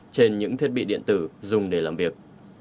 trên những thiết bị điện tử dùng để làm việc